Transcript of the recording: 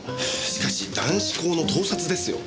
しかし男子校の盗撮ですよ？